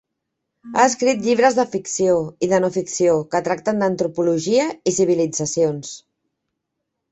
Ha escrit llibres de ficció i de no-ficció que tracten d'antropologia i civilitzacions.